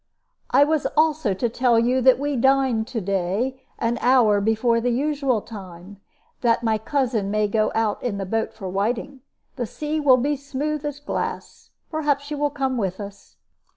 "I was also to tell you that we dine to day an hour before the usual time, that my cousin may go out in the boat for whiting. The sea will be as smooth as glass. Perhaps you will come with us."